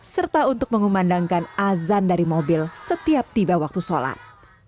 serta untuk mengumandangkan azan dari mobil setiap tiba waktu sholat